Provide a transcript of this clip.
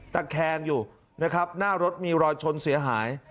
ตะแคงอยู่นะครับหน้ารถมีรอยชนเสียหาย